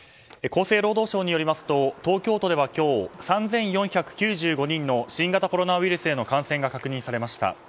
厚生労働省によりますと東京都では今日３４９５人の新型コロナウイルスへの感染が確認されました。